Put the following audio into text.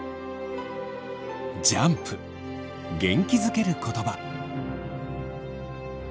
ジャンプ元気づける言葉。